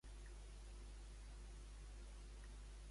Ensenya allà on em trobo a l'Arnau fins que es trobi a casa meva.